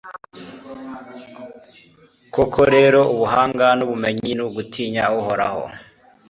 koko rero, ubuhanga n'ubumenyi ni ugutinya uhoraho